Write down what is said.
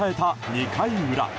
２回裏。